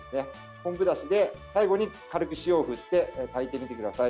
昆布だしで、最後に軽く塩を振って炊いてみてください。